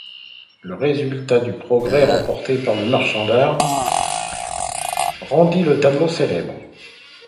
Le résultat du procès, remporté par le marchand d'art, rendit le tableau célèbre.